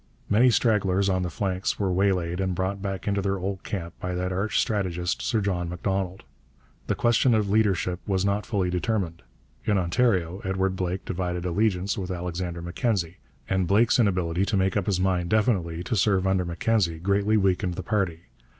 Many stragglers on the flanks were waylaid and brought back into their old camp by that arch strategist, Sir John Macdonald. The question of leadership was not fully determined. In Ontario Edward Blake divided allegiance with Alexander Mackenzie, and Blake's inability to make up his mind definitely to serve under Mackenzie greatly weakened the party.